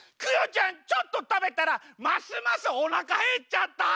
ちょっと食べたらますますおなかへっちゃった！